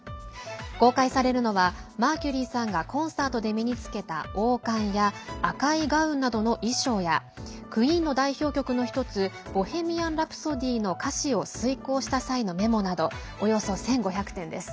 公開されるのはマーキュリーさんがコンサートで身に着けた王冠や赤いガウンなどの衣装やクイーンの代表曲の１つ「ボヘミアン・ラプソディ」の歌詞を推こうした際のメモなどおよそ１５００点です。